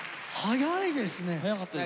早いですね。